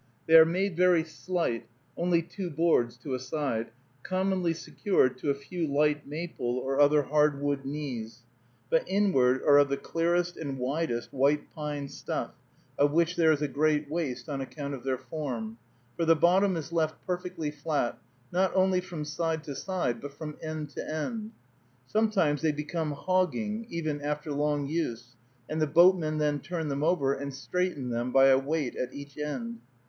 They are made very slight, only two boards to a side, commonly secured to a few light maple or other hard wood knees, but inward are of the clearest and widest white pine stuff, of which there is a great waste on account of their form, for the bottom is left perfectly flat, not only from side to side, but from end to end. Sometimes they become "hogging" even, after long use, and the boatmen then turn them over and straighten them by a weight at each end.